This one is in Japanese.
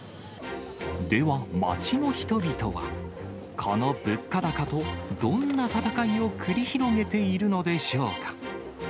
では、街の人々は、この物価高とどんな闘いを繰り広げているのでしょうか。